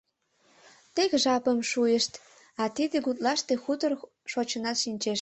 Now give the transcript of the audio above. Тек жапым шуйышт, а тиде гутлаште хутор шочынат шинчеш.